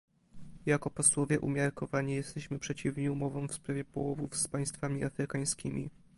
Jako posłowie umiarkowani jesteśmy przeciwni umowom w sprawie połowów z państwami afrykańskimi